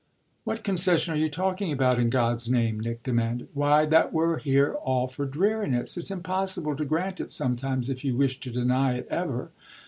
"What concession are you talking about, in God's name?" Nick demanded. "Why, that we're here all for dreariness. It's impossible to grant it sometimes if you wish to deny it ever."